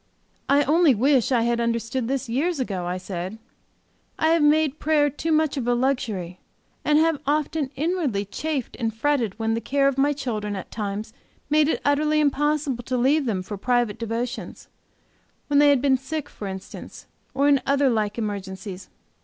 "I only wish I had understood this years ago," I said. "I have made prayer too much of a luxury, and have often inwardly chafed and fretted when the care of my children, at times, made it utterly impossible to leave them for private devotion when they have been sick, for instance, or in other like emergencies.